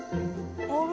あれ？